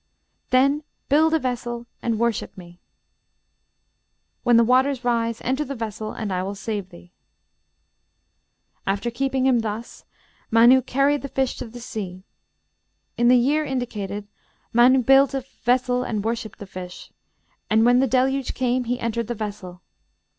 Then build a vessel and worship me. When the waters rise, enter the vessel, and I will save thee.' "After keeping him thus, Mann carried the fish to the sea. In the year indicated Mann built a vessel and worshipped the fish. And when the Deluge came he entered the vessel.